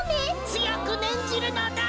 つよくねんじるのだ！